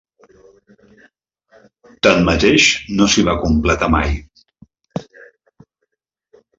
Tanmateix, no s'hi va completar mai.